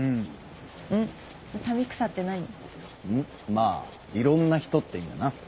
まあいろんな人って意味だな。